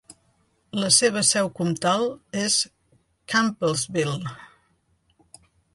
La seva seu comtal és Campbellsville.